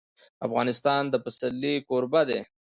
افغانستان د پسرلی کوربه دی.